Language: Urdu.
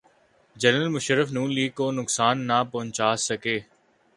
جنرل مشرف نون لیگ کو نقصان نہ پہنچا سکے۔